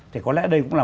thì có lẽ đây cũng là